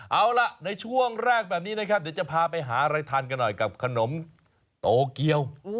เอาล่ะในช่วงแรกแบบนี้นะครับเดี๋ยวจะพาไปหาอะไรทานกันหน่อยกับขนมโตเกียว